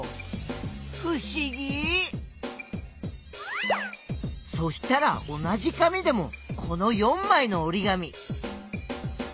ふしぎ！そしたら同じ紙でもこの４まいのおり紙。